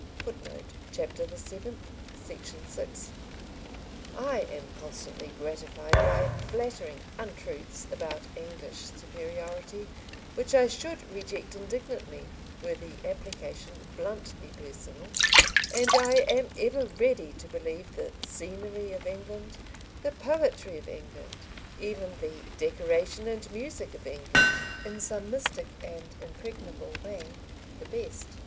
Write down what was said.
[Footnote: Chapter the Seventh, section 6.] I am constantly gratified by flattering untruths about English superiority which I should reject indignantly were the application bluntly personal, and I am ever ready to believe the scenery of England, the poetry of England, even the decoration and music of England, in some mystic and impregnable way, the best.